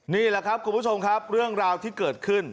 นี่แหละครับคุณผู้ชมครับเรื่องราวที่เกิดขึ้น